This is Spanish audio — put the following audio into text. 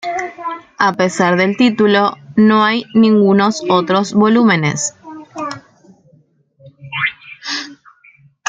A pesar del título, no hay ningunos otros volúmenes.